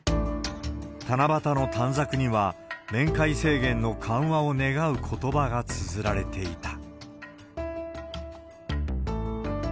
七夕の短冊には、面会制限の緩和を願うことばがつづられていた。